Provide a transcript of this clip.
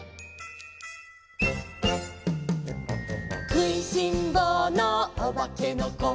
「くいしんぼうのおばけのこ」